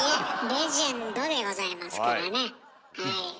レジェンドでございますからねはい。